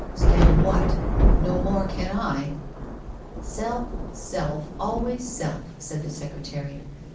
* Stand what ? No more can I !'' Self, self, always self !' said the secretary.